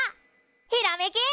ひらめきっ！